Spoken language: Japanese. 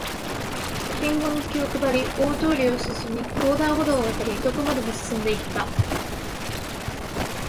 信号に気を配り、大通りを進み、横断歩道を渡り、どこまでも進んで行った